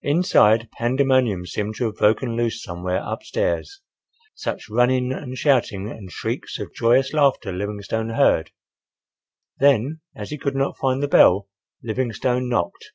Inside, pandemonium seemed to have broken loose somewhere up stairs, such running and shouting and shrieks of joyous laughter Livingstone heard. Then, as he could not find the bell, Livingstone knocked.